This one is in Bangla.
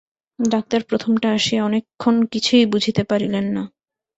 ডাক্তার প্রথমটা আসিয়া অনেকক্ষণ কিছুই বুঝিতে পারিলেন না।